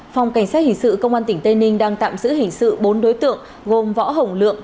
phòng cảnh sát hình sự công an tỉnh tây ninh đang tạm giữ hình sự bốn đối tượng gồm võ hồng lượng